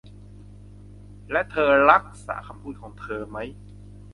และเธอรักษาคำพูดของเธอมั้ย